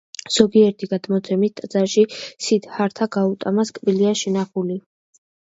ზოგიერთი გადმოცემით, ტაძარში სიდჰართა გაუტამას კბილია შენახული.